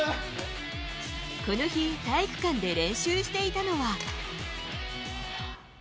この日、体育館で練習していたのは。